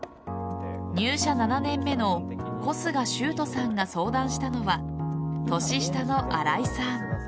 入社７年目の小菅修斗さんが相談したのは年下の荒井さん。